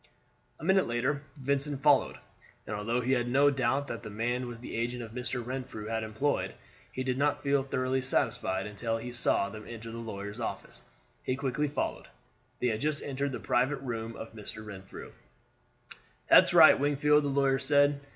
A minute later Vincent followed, and although he had no doubt that the man was the agent Mr. Renfrew had employed, he did not feel thoroughly satisfied until he saw them enter the lawyer's office. He quickly followed. They had just entered the private room of Mr. Renfrew. "That's right, Wingfield," the lawyer said.